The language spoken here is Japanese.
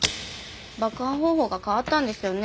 爆破方法が変わったんですよね。